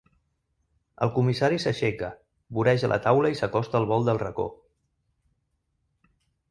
El comissari s'aixeca, voreja la taula i s'acosta al bol del racó.